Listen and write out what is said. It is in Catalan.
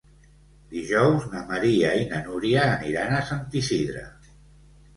Dijous na Maria i na Núria aniran a Sant Isidre.